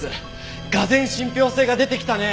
がぜん信憑性が出てきたね。